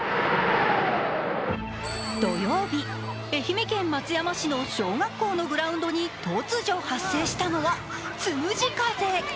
土曜日、愛媛県松山市の小学校のグラウンドに突如発生したのがつむじ風。